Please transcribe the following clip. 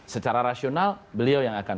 secara rasional beliau yang akan